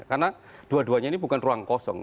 karena dua duanya ini bukan ruang kosong